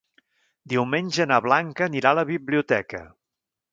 Diumenge na Blanca anirà a la biblioteca.